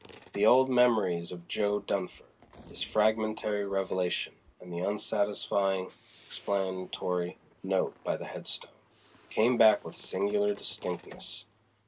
The old memories of Jo. Dunfer, his fragmentary revelation, and the unsatisfying explanatory note by the headstone, came back with singular distinctness.